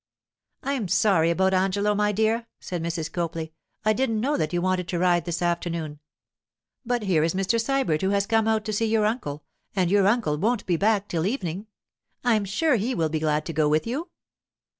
'I'm sorry about Angelo, my dear,' said Mrs. Copley. 'I didn't know that you wanted to ride this afternoon. But here is Mr. Sybert who has come out to see your uncle, and your uncle won't be back till evening. I'm sure he will be glad to go with you.